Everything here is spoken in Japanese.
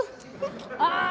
ああ！